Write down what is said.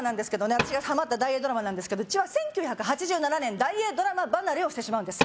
私がハマった大映ドラマなんですけど１９８７年大映ドラマ離れをしてしまうんです